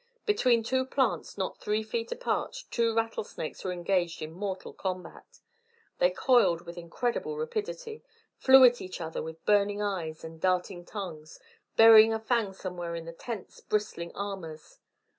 Between two plants not three feet apart two rattlesnakes were engaged in mortal combat. They coiled with incredible rapidity, flew at each other with burning eyes and darting tongues, burying a fang somewhere in the tense bristling armours.